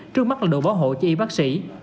trước mắt là đồ bảo hộ cho y bác sĩ